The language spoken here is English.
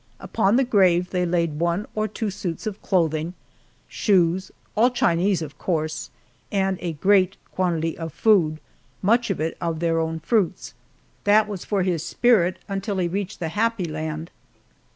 Upon the grave they laid one or two suits of clothing, shoes all Chinese, of course and a great quantity of food much of it their own fruits. That was for his spirit until it reached the Happy Land.